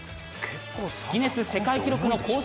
ギネス世界記録の公式